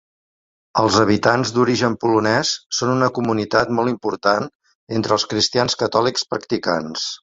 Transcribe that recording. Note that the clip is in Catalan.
Els habitants d'origen polonès són una comunitat molt important entre els cristians catòlics practicants.